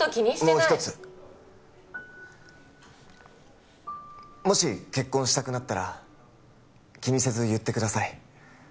もう一つもし結婚したくなったら気にせず言ってください